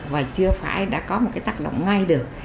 và chưa phải đã có một cái tác động ngay được